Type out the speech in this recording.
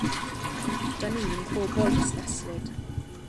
'Da ni'n bobl fusneslyd!